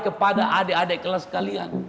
kepada adik adik kelas kalian